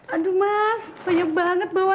aduh mas banyak banget bawa